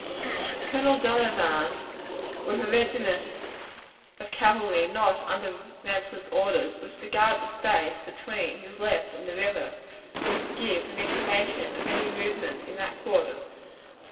Colonel Dunovant, with a regiment of cavalry not under Ransom's orders, was to guard the space between his left and the river, so as to give him information of any movement in that quarter.